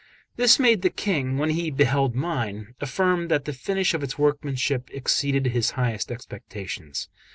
This made the King, when he beheld mine, affirm that the finish of its workmanship exceeded his highest expectations.